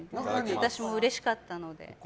私もうれしかったので。